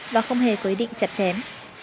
và không hề có ý định chặt chén